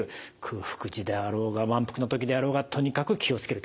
空腹時であろうが満腹の時であろうがとにかく気を付けるということですね。